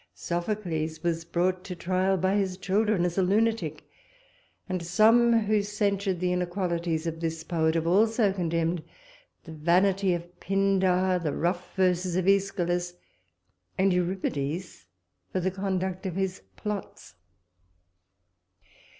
Sophocles was brought to trial by his children as a lunatic; and some, who censured the inequalities of this poet, have also condemned the vanity of Pindar; the rough verses of Æschylus; and Euripides, for the conduct of his plots.